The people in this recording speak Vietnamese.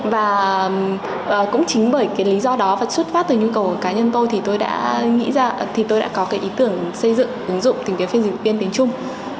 và cũng chính bởi cái lý do đó và xuất phát từ nhu cầu cá nhân tôi thì tôi đã nghĩ ra thì tôi đã có cái ý tưởng xây dựng ứng dụng từ cái phiên dịch viên đến chung